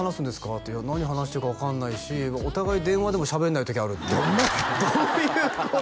っていや何話していいか分かんないしお互い電話でもしゃべんない時あるっていうどういうこと？